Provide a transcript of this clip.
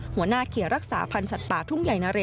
หัวหน้าเขตรักษาพันธ์สัตว์ป่าทุ่งใหญ่นะเร